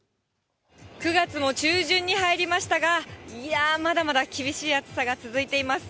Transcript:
９月も中旬に入りましたが、いやぁ、まだまだ厳しい暑さが続いています。